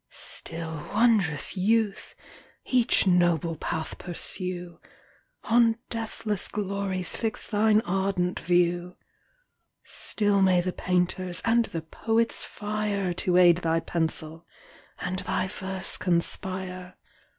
Still, wond'rous youth! each noble path pursue, On deathless glories fix thine ardent view: Still may the painter's and the poet's fire To aid thy pencil, and thy verse conspire!